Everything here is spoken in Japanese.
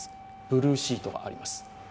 ブルーシートがあります。